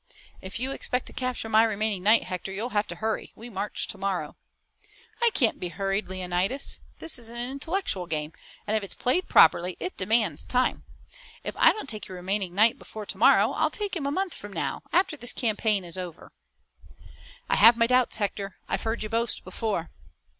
"If you expect to capture my remaining knight, Hector, you'll have to hurry. We march tomorrow." "I can't be hurried, Leonidas. This is an intellectual game, and if it's played properly it demands time. If I don't take your remaining knight before tomorrow I'll take him a month from now, after this campaign is over." "I have my doubts, Hector; I've heard you boast before."